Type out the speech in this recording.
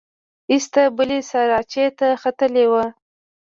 ایسته بلې سراچې ته ختلې وه.